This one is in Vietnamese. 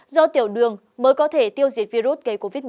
do tiểu đường mới có thể tiêu diệt virus gây covid một mươi chín